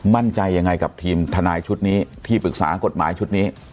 มั่นใจยังไงกับทีมทนายชุดนี้ที่ปรึกษากฎหมายชุดนี้